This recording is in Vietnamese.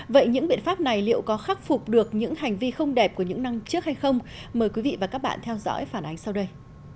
vậy những biện pháp này liệu có khắc phục được những hành vi không đẹp của những năm trước hay không mời quý vị và các bạn theo dõi phản ánh sau đây